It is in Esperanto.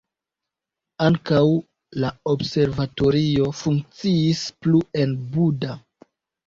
Ankaŭ la observatorio funkciis plu en Buda.